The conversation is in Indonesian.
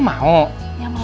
ya mau dong pak